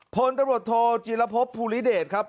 พลตำรวจโทจีรพบภูริเดชครับ